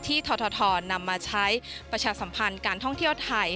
ททนำมาใช้ประชาสัมพันธ์การท่องเที่ยวไทย